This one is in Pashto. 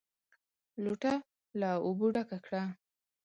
لوټه له اوبو ډکه کړه!